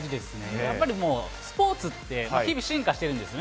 やっぱりもう、スポーツって日々進化してるんですよね。